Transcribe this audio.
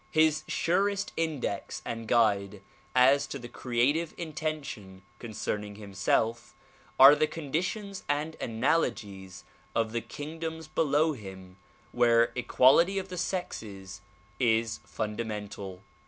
His surest index and guide as to the creative in tention concerning himself are the conditions and analogies of the kingdoms below him where equality of the sexes is fundamental.